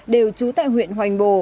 đều trú tại huyện hoành bồ